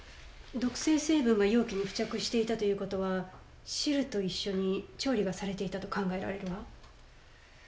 毒性成分が容器に付着していたということは汁と一緒に調理がされていたと考えられるわ。